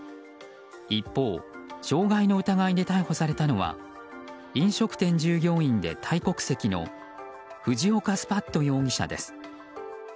一方、傷害の疑いで逮捕されたのは飲食店従業員でタイ国籍のフジオカ・スパット容疑者です。